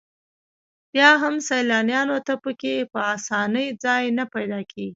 بیا هم سیلانیانو ته په کې په اسانۍ ځای نه پیدا کېږي.